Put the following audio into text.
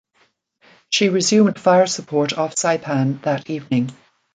She resumed fire support off Saipan that evening.